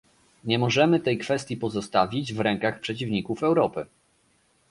Nie możemy tej kwestii pozostawić w rękach przeciwników Europy